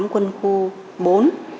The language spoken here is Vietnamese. quân khu bốn